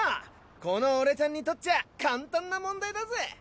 この俺ちゃんにとっちゃ簡単な問題だぜ！